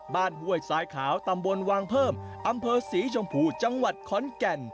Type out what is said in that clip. ห้วยสายขาวตำบลวางเพิ่มอำเภอศรีชมพูจังหวัดขอนแก่น